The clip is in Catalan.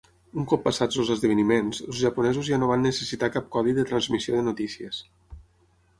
Un cop passats els esdeveniments, els japonesos ja no van necessitar cap codi de transmissió de notícies.